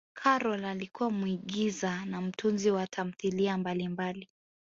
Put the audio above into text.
karol alikuwa muigiza na mtunzi wa tamthilia mbalimbali